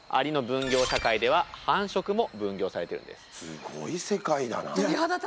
すごい世界だな。